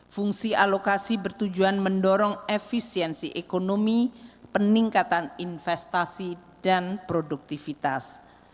fungsi alokasi bertujuan mendorong efisiensi ekonomi peningkatan investasi dan produktivitas